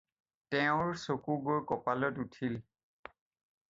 তেওঁৰ চকু গৈ কপালত উঠিল।